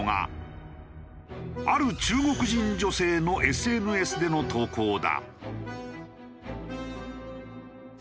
ある中国人女性のＳＮＳでの投稿だ。